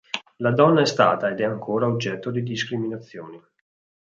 La donna è stata ed è ancora oggetto di discriminazioni.